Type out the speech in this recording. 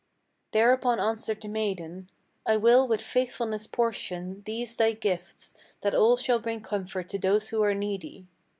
Thereupon answered the maiden: 'I will with faithfulness portion These thy gifts, that all shall bring comfort to those who are needy.'